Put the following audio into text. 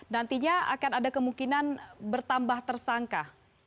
nantinya akan ada kemungkinan bertambah tersangka